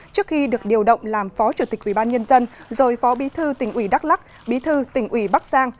trước khi được điều động làm phó chủ tịch ủy ban nhân dân rồi phó bí thư tỉnh ủy đắk lắc bí thư tỉnh ủy bắc giang